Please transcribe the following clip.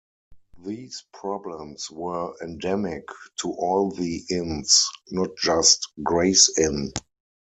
These problems were endemic to all the Inns, not just Gray's Inn.